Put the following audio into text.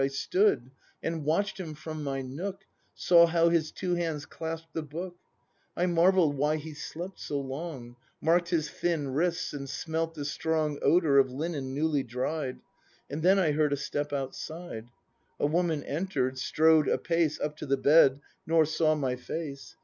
I stood and watch'd him from my nook, Saw how his two hands clasp'd the Book; I marvell'd why he slept so long, Mark'd his thin wrists, and smelt the strong Odour of linen newly dried; — And then I heard a step outside; — A woman enter'd, strode apace Up to the bed, nor saw my face.